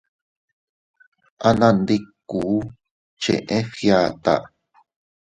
Anandikkuu cheʼé Fgiata.